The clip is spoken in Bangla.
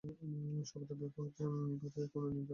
সর্বদাই ভয় হয় পাছে কোনো নিন্দার কারণ ঘটে।